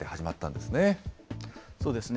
そうですね。